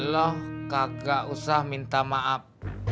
lo kagak usah minta maaf